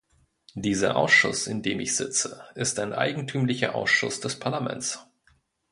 Dieser Ausschuss, in dem ich sitze, ist ein eigentümlicher Ausschuss des Parlaments.